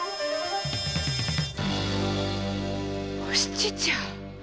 お七ちゃん！